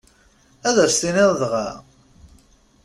Ad as-t-tiniḍ dɣa?